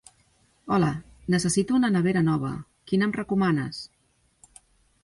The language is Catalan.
Hola, necessito una nevera nova, quina em recomanes?